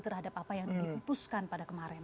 terhadap apa yang diputuskan pada kemarin